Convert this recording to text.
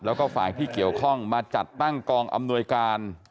แล้วก็ฝ่ายที่เกี่ยวข้องมาจัดตั้งกองอำนวยการ